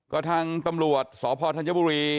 ก็ทางตำรวจสพธัญบุรี